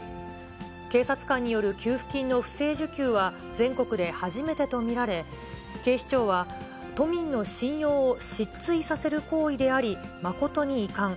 警察官による給付金の不正受給は、全国で初めてと見られ、警視庁は、都民の信用を失墜させる行為であり、誠に遺憾。